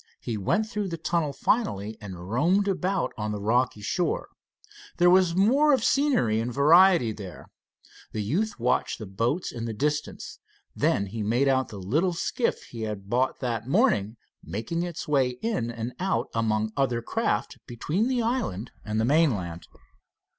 He went through the tunnel finally and roamed about on the rocky shore. There was more of scenery and variety here. The youth watched the boats in the distance. Then he made out the little skiff he had bought that morning making its way in and out among other craft between the island, and the mainland.